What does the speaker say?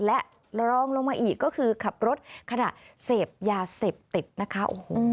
และรองลงมาอีกก็คือขับรถขณะเสพยาเสพติดนะคะโอ้โห